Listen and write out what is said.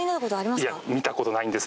いや見た事ないんです。